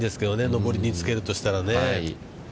上りにつけるとしたらね。